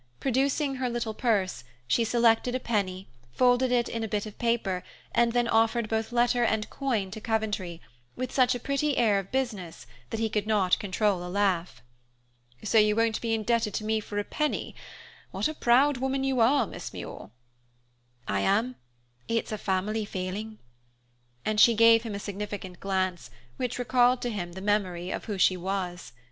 Producing her little purse, she selected a penny, folded it in a bit of paper, and then offered both letter and coin to Coventry, with such a pretty air of business, that he could not control a laugh. "So you won't be indebted to me for a penny? What a proud woman you are, Miss Muir." "I am; it's a family failing." And she gave him a significant glance, which recalled to him the memory of who she was.